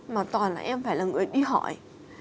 mà toàn là em phải là người đi hỏi